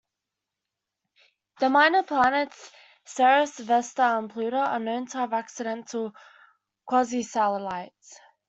The minor planets Ceres, Vesta, and Pluto are known to have accidental quasi-satellites.